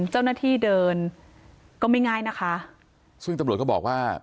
เจ้าหน้าที่เดินก็ไม่ง่ายนะคะซึ่งตำรวจก็บอกว่า